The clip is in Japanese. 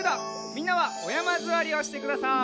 みんなはおやまずわりをしてください。